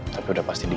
tapi sudah pasti dia